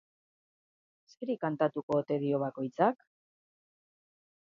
Zeri kantatuko ote dio bakoitzak?